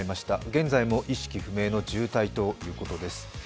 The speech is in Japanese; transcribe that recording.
現在も意識不明の重体ということです。